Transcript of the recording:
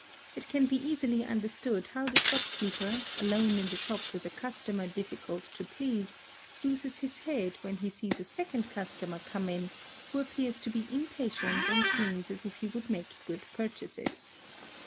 It can be easily understood how the shop keeper, alone in the shop with a customer difficult to please, loses his head _ when he sees a second customer come in, who appears to be impatient and ; seems.as if he would make good purchases.